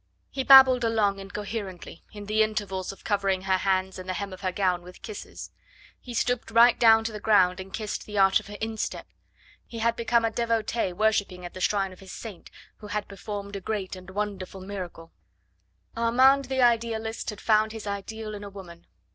He babbled along incoherently in the intervals of covering her hands and the hem of her gown with kisses. He stooped right down to the ground and kissed the arch of her instep; he had become a devotee worshipping at the shrine of his saint, who had performed a great and a wonderful miracle. Armand the idealist had found his ideal in a woman.